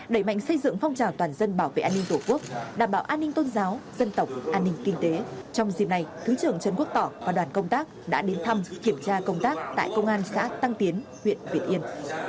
đẩy mạnh xây dựng phong trào toàn dân bảo vệ an ninh tổ quốc đảm bảo an ninh tôn giáo dân tộc an ninh kinh tế trong dịp này thứ trưởng trần quốc tỏ và đoàn công tác đã đến thăm kiểm tra công tác tại công an xã tăng tiến huyện việt yên